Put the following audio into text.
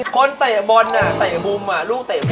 คนเตะบอลอ่ะเตะบุมอ่ะลูกเตะบุมอ่ะ